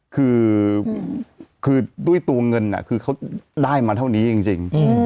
คือตัวเงินเค้าได้มาเท่านี้จริง